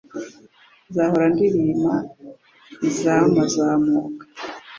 nzahora ndirima iza mazamuka